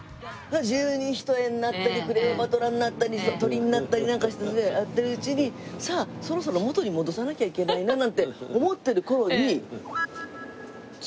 十二単になったりクレオパトラになったり鳥になったりなんかしてやってるうちにさあそろそろ元に戻さなきゃいけないななんて思ってる頃に。